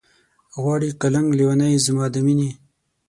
غواړي قلنګ لېونے زما د مينې